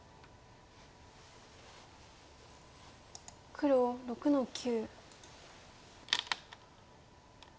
黒６の九。